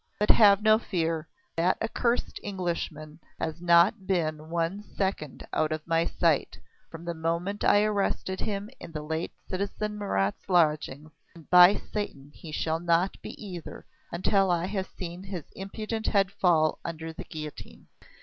But have no fear! That accursed Englishman has not been one second out of my sight, from the moment I arrested him in the late citizen Marat's lodgings, and by Satan! he shall not be either, until I have seen his impudent head fall under the guillotine."